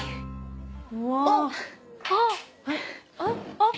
あっ。